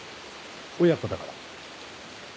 親子だから？